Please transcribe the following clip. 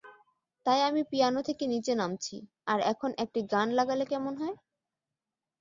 তাই আমি পিয়ানো থেকে নিচে নামছি, আর এখন একটি গান লাগালে কেমন হয়?